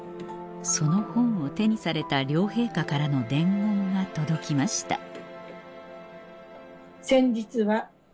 その本を手にされた両陛下からの伝言が届きました